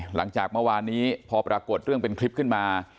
หลังจากเมื่อวานนี้พอปรากฏเรื่องเป็นคลิปขึ้นมา